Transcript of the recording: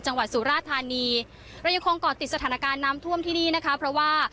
จังหวัดสุราชทานีรายควรกรติดสถานการณ์น้ำท่วมที่นี้นะคะเพราะว่า